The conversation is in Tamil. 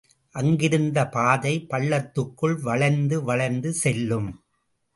அங்கிருந்து பாதை பள்ளத்துக்குள் வளைந்து வளைந்து செல்லும்.